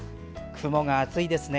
雲が厚いですね。